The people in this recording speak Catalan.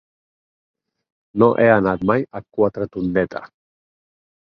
No he anat mai a Quatretondeta.